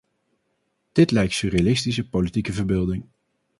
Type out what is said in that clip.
Dit lijkt surrealistische politieke verbeelding.